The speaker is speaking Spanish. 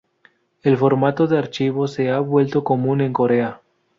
El formato de archivo se ha vuelto común en Corea.